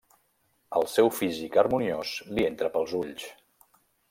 El seu físic harmoniós li entra pels ulls.